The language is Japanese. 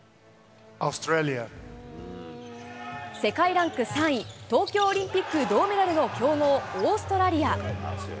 世界ランク３位、東京オリンピック銅メダルの強豪、オーストラリア。